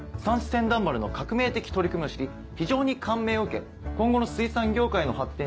船団丸の革命的取り組みを知り非常に感銘を受け今後の水産業界の発展に。